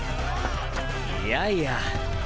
いやいや。